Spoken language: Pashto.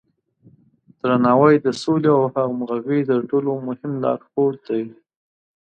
درناوی د سولې او همغږۍ تر ټولو مهم لارښود دی.